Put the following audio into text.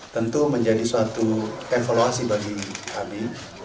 tentu menjadi suatu evaluasi